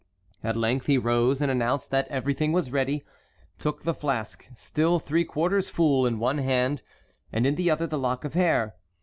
At length he rose and announced that everything was ready, took the flask, still three quarters full, in one hand, and in the other the lock of hair.